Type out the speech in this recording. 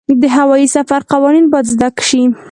د هوايي سفر قوانین باید زده شي.